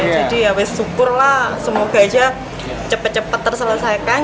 jadi ya wess syukurlah semoga aja cepat cepat terselesaikan